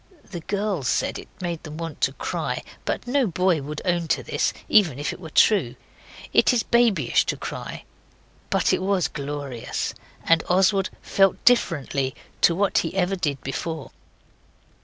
The girls said it made them want to cry but no boy would own to this, even if it were true. It is babyish to cry. But it was glorious, and Oswald felt differently to what he ever did before.